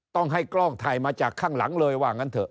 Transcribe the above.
ต้องให้กล้องถ่ายมาจากข้างหลังเลยว่างั้นเถ